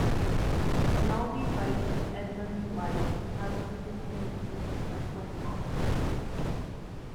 Rinaldi writes of Edmonds's life and how she became to be Franklin Thompson.